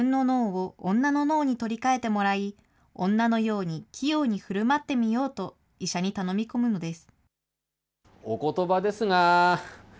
自分の脳を女の脳に取り換えてもらい、女のように器用にふるまってみようと医者に頼み込むのです。